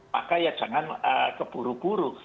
maka jangan keburu buru